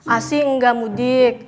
asyik gak mudik